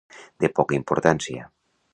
De poca importància.